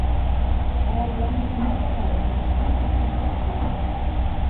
— Ә Йәрмөхәмәт ағай һуғыштан иҫән ҡайттымы?